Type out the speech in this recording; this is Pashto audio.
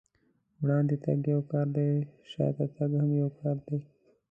وړاندې تګ يو کار دی، شاته تګ هم يو کار دی.